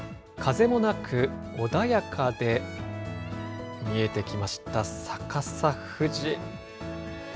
風もなく穏やかで、見えてきました、逆さ富士。